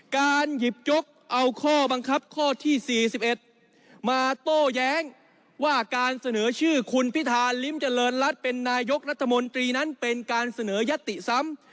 การหยิบยกเอาข้อบังคับข้อที่๔๑มาโต้แย้งว่าการเสนอชื่อคุณพิธาลิ้มเจริญรัฐเป็นนายกรัฐมนตรีนั้นเป็นการเสนอยัตติซ้ำ